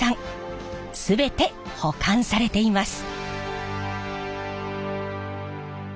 全て保管されています。